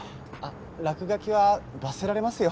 落書きは罰せられますよ